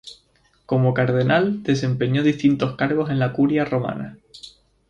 Como Cardenal desempeñó distintos cargos en la Curia Romana.